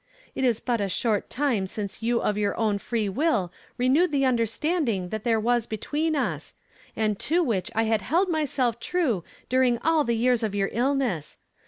It is but a short time since you of ^our own free will renewed the understanding that there was between us, and to which 1 had held myself true during all the yeai s of your illness.